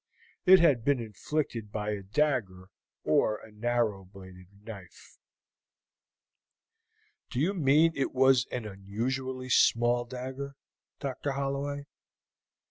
It had been inflicted by a dagger or a narrow bladed knife. "Do you mean that it was an unusually small dagger, Dr. Holloway?"